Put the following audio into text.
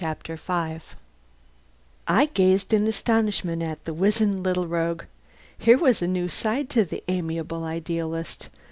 CHAPTER FIVE I gazed in astonishment at the wizened little rogue. Here was a new side to the amiable idealist!